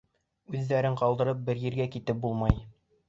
Үҙҙәрен ҡалдырып бер ергә китеп булмай.